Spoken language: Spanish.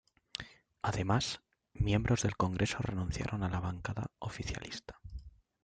Además, miembros del Congreso renunciaron a la bancada oficialista.